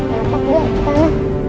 napak gak tanah